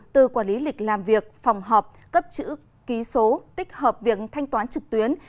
từ quản lý lịch làm việc phòng họp cấp chữ ký số tích hợp việc thanh toán trực tuyến